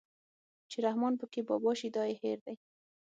چې رحمان پکې بابا شيدا يې هېر دی